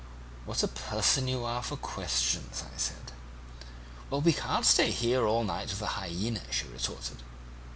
"'What a person you are for questions,' I said. "'Well, we can't stay here all night with a hyaena,' she retorted.